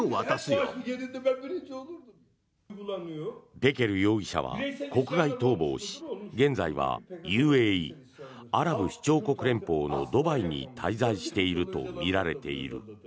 ペケル容疑者は国外逃亡し現在はＵＡＥ・アラブ首長国連邦のドバイに滞在しているとみられている。